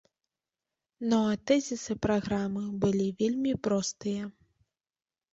Ну а тэзісы праграмы былі вельмі простыя.